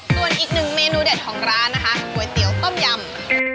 ส่วนอีกหนึ่งเมนูเด็ดของร้านนะคะก๋วยเตี๋ยวต้มยำ